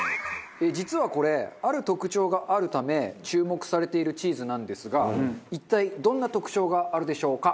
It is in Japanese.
実はこれある特徴があるため注目されているチーズなんですが一体どんな特徴があるでしょうか？